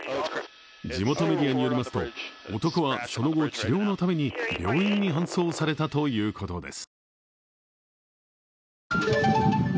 地元メディアによりますと、男はその後、治療のために病院に搬送されたということです。